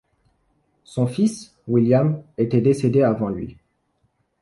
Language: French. Son fils, William était décédé avant lui.